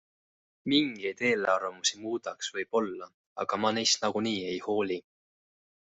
Mingeid eelarvamusi muudaks võib-olla, aga ma neist nagunii ei hooli.